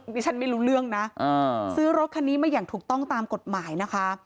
ฉันไม่รู้เรื่องนะซื้อรถคันนี้มาอย่างถูกต้องตามกฎหมายนะคะ